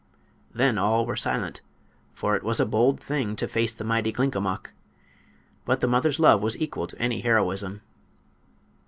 Then all were silent, for it was a bold thing to face the mighty Glinkomok. But the mother's love was equal to any heroism.